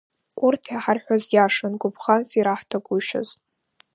Урҭ иҳарҳәоз иашан, гәыбӷанс ираҳҭагәышьоз.